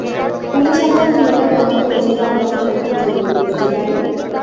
Police আপনার theatre বন্ধ করেছিল আপনার সুরক্ষার জন্যই, মিস ডিভাইন।